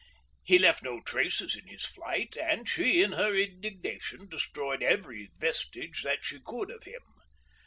He left no traces in his flight, and she, in her indignation, destroyed every vestige that she could of him.